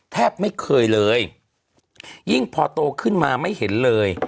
แทบไม่เคยเลยยิ่งพอโตขึ้นมาไม่เห็นเลย